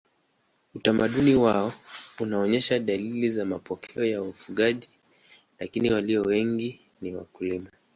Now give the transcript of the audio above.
Utamaduni wao unaonyesha dalili za mapokeo ya wafugaji lakini walio wengi ni wakulima.